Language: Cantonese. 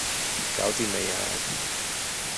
搞掂未呀